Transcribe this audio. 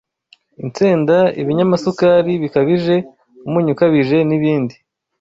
insenda, ibinyamasukari bikabije, umunyu ukabije, n’ibindi